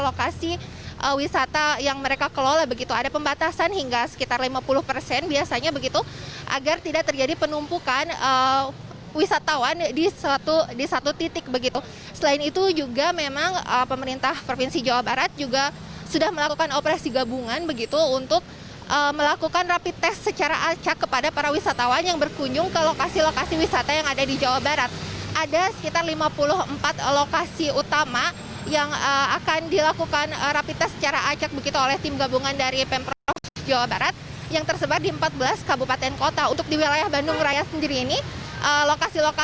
lokasi wisata yang mereka kelompoknya